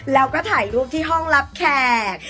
แล้วก็ถ่ายรูปที่ห้องรับแขก